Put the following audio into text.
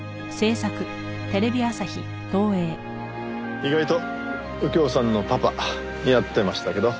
意外と右京さんのパパ似合ってましたけど。